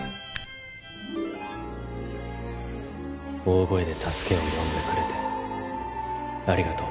大声で助けを呼んでくれてありがとう